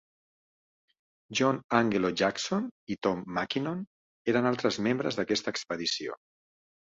John Angelo Jackson i Tom Mackinon eren altres membres d'aquesta expedició.